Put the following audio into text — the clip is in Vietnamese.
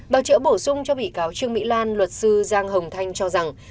bảo trợ bổ sung cho bị cáo trương mỹ lan luật sư giang hồng thanh cho rằng